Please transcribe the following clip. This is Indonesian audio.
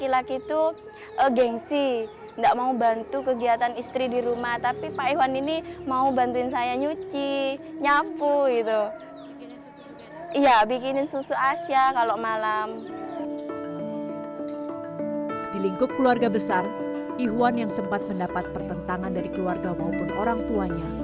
ihwan yang sempat mendapat pertentangan dari keluarga maupun orang tuanya